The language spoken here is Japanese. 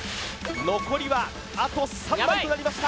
残りはあと３枚となりました